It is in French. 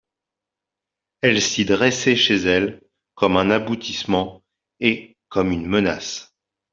Elle s'y dressait chez elle, comme un aboutissement et comme une menace.